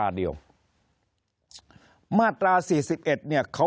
คนในวงการสื่อ๓๐องค์กร